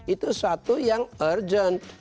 itu satu yang urgent